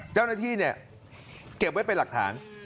เจ้าหน้าที่เนี่ยเก็บไว้เป็นหลักฐาน